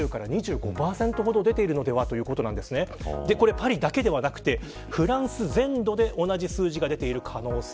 パリだけではなくてフランス全土で同じ数字が出ている可能性。